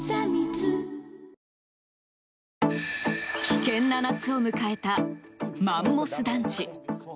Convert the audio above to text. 危険な夏を迎えたマンモス団地。